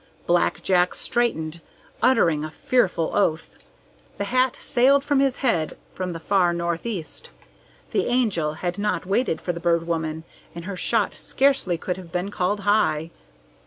Black Jack straightened, uttering a fearful oath. The hat sailed from his head from the far northeast. The Angel had not waited for the Bird Woman, and her shot scarcely could have been called high.